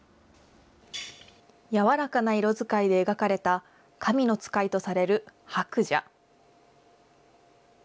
柔らかな色遣いで描かれた神の使いとされる、白蛇。